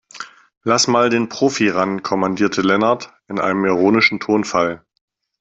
Lass mal den Profi ran, kommandierte Lennart in einem ironischen Tonfall.